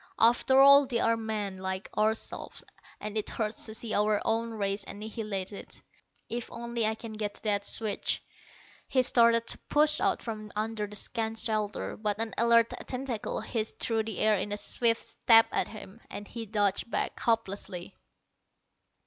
After all, they are men, like ourselves, and it hurts to see our own race annihilated. If only I can get to that switch." He started to push out from under the scant shelter, but an alert tentacle hissed through the air in a swift stab at him, and he dodged back, hopelessly.